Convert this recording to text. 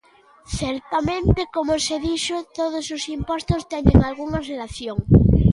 Certamente, como se dixo, todos os impostos teñen algunha relación.